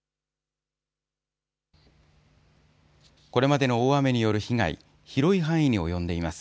これまでの大雨による被害、広い範囲に及んでいます。